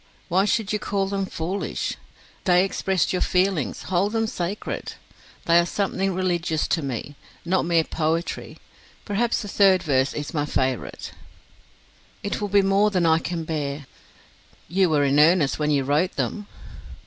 Why should you call them foolish? They expressed your feelings hold them sacred. They are something religious to me, not mere poetry. Perhaps the third verse is my favourite ..." "It will be more than I can bear!" "You were in earnest when you wrote them?"